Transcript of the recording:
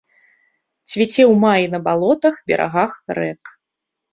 Цвіце ў маі на балотах, берагах рэк.